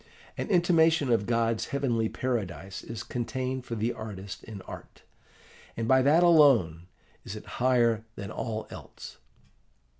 An intimation of God's heavenly paradise is contained for the artist in art, and by that alone is it higher than all else.